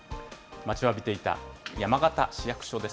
待ちわびていた山形市役所です。